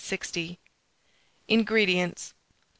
INGREDIENTS.